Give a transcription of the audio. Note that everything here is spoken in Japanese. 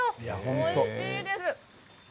おいしいです。